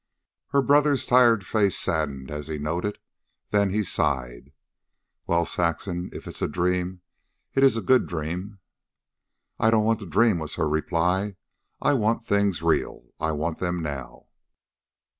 Her brother's tired face saddened as he noted. Then he sighed: "Well, Saxon, if it's a dream, it is a good dream." "I don't want to dream," was her reply. "I want things real. I want them now."